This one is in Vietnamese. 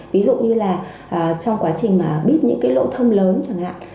ví dụ như là trong quá trình mà biết những cái lỗ thâm lớn chẳng hạn